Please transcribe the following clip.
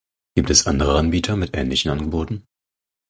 Gibt es andere Anbieter mit ähnlichen Angeboten?